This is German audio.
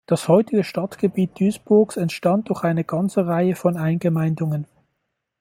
Das heutige Stadtgebiet Duisburgs entstand durch eine ganze Reihe von Eingemeindungen.